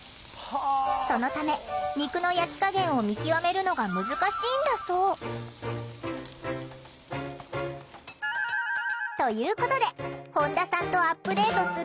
そのため肉の焼き加減を見極めるのが難しいんだそう。ということで本田さんとアップデートするのは。